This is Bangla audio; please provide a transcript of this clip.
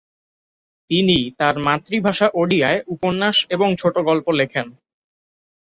তিনি তার মাতৃভাষা ওডিয়ায় উপন্যাস এবং ছোট গল্প লেখেন।